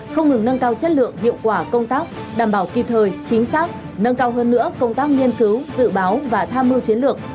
không ngừng nâng cao chất lượng hiệu quả công tác đảm bảo kịp thời chính xác nâng cao hơn nữa công tác nghiên cứu dự báo và tham mưu chiến lược